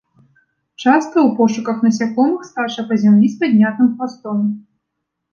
Часта ў пошуках насякомых скача па зямлі з паднятым хвастом.